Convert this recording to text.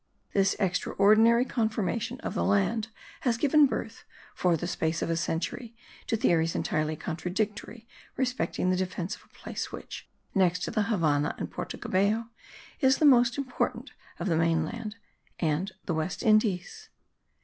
This extraordinary conformation of the land has given birth, for the space of a century, to theories entirely contradictory respecting the defence of a place which, next to the Havannah and Porto Cabello, is the most important of the main land and the West Indies.